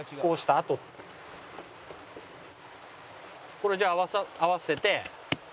これじゃあ合わせて。